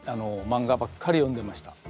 漫画ばっかり読んでました。